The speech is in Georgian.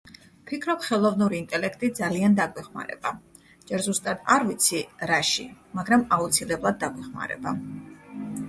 ვფიქრობ, ხელოვნური ინტელექტი ძალიან დაგვეხმარება, ჯერ ზუსტად არ ვიცი, რაში, მაგრამ აუცილებლად დაგვეხმარება.